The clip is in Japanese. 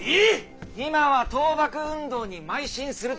今は倒幕運動にまい進する時。